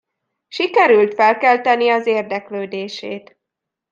Sikerült felkeltenie az érdeklődését.